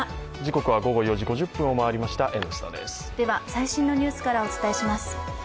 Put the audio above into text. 最新のニュースからお伝えします。